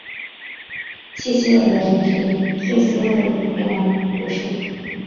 谢西厄人口变化图示